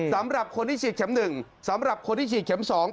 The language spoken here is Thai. สำหรับคนที่ฉีดเข็ม๑สำหรับคนที่ฉีดเข็ม๒